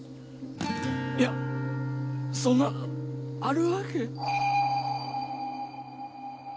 いやそんなあるわけ。